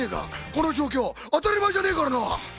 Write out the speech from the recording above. この状況当たり前じゃねえからな！